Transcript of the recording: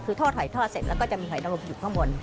คือทอดหอยทอดเสร็จแล้วก็จะมีหอยนรมอยู่ข้างบน